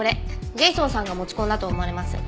ジェイソンさんが持ち込んだと思われます。